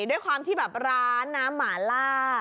ด้วยความที่แบบร้านน้ำหมาล่า